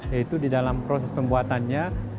yaitu di dalam proses pembuatannya